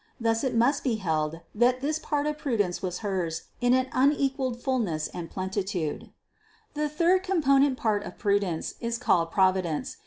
Thus it must be held 416 CITY OF GOD that this part of prudence was hers in an unequalled full ness and plenitude. 540. The third component part of prudence is called providence.